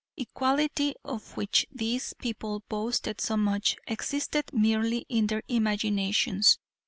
Equality, of which these people boasted so much, existed merely in their imaginations.